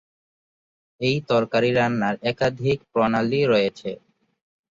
এই তরকারী রান্নার একাধিক প্রণালী রয়েছে।